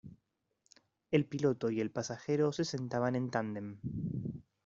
El piloto y el pasajero se sentaban en tándem.